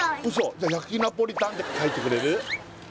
じゃあ焼きナポリタンって書いてくれる？